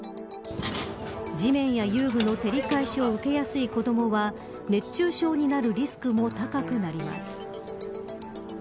地面や遊具の照り返しを受けやすい子どもは熱中症になるリスクも高くなります。